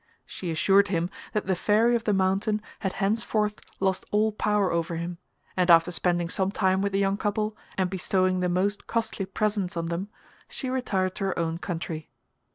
She assured him that the Fairy of the Mountain had henceforth lost all power over him, and after spending some time with the young couple, and bestowing the most costly presents on them, she retired to her own country.